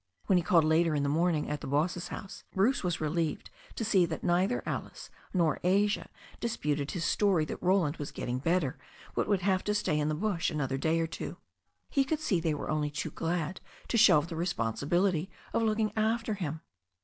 When he called later in the morning at the boss's house, Bruce was relieved to see that neither Alice nor Asia disputed his story that Roland was getting better, but would have to stay in the bush another day or two. He could see they were only too glad to shelve the responsibility of looking after him.